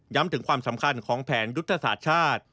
ถึงความสำคัญของแผนยุทธศาสตร์ชาติ